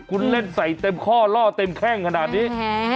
คุณเล่นใส่เต็มข้อล่อเต็มแข้งขนาดนี้